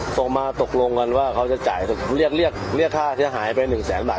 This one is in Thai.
โทรมาตกลงกันว่าเขาจะจ่ายเรียกค่าที่จะหายไป๑แสนบาท